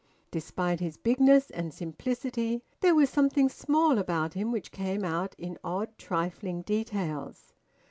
Despite his bigness and simplicity there was something small about him which came out in odd trifling details.